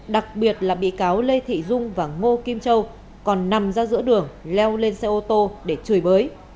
đặc biệt là bị cáo lê thị dung và ngô kim châu còn nằm ra giữa đường leo lên xe ô tô để chửi bới